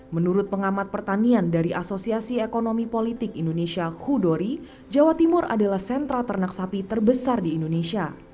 menurut pengamat pertanian dari asosiasi ekonomi politik indonesia hudori jawa timur adalah sentra ternak sapi terbesar di indonesia